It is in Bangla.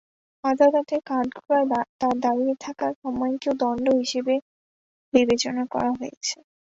আদালতের কাঠগড়ায় তাঁর দাঁড়িয়ে থাকার সময়কেও দণ্ড হিসেবে বিবেচনা করা হয়েছে।